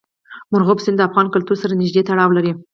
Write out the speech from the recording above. مورغاب سیند د افغان کلتور سره نږدې تړاو لري.